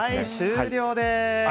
終了です！